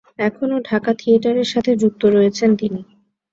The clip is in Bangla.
এখনো ঢাকা থিয়েটারের সাথে যুক্ত রয়েছেন তিনি।